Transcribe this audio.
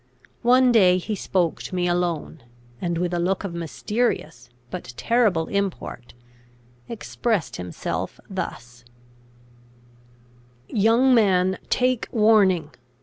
One day he spoke to me alone; and, with a look of mysterious but terrible import, expressed himself thus: "Young man, take warning!